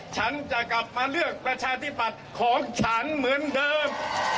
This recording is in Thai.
ฉันจะกลับมาเลือกประชาธิปัตย์ของฉันเหมือนเดิม